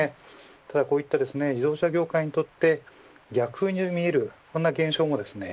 ただこういった自動車業界にとって逆風に見えるこんな現象もですね